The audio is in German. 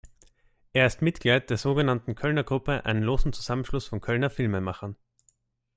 Er ist Mitglied der sogenannten Kölner Gruppe, einem losen Zusammenschluss von Kölner Filmemachern.